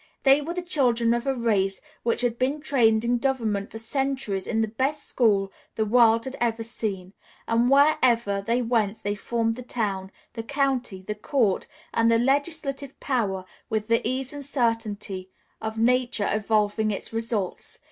They were the children of a race which had been trained in government for centuries in the best school the world has ever seen, and wherever they went they formed the town, the county, the court, and the legislative power with the ease and certainty of nature evolving its results.